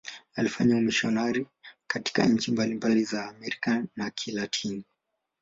Alifanya umisionari katika nchi mbalimbali za Amerika ya Kilatini.